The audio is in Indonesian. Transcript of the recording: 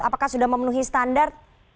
apakah sudah memenuhi standar